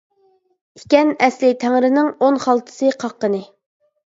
ئىكەن ئەسلى تەڭرىنىڭ، ئۇن خالتىسى قاققىنى.